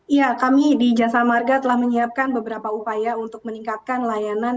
ya kami di jasa marga telah menyiapkan beberapa upaya untuk meningkatkan layanan